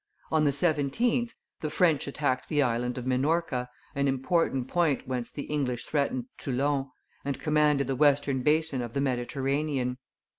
On the 17th, the French attacked the Island of Minorca, an important point whence the English threatened Toulon, and commanded the western basin of the Mediterranean.